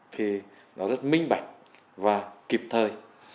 thì nó rất minh bạch và kịp thời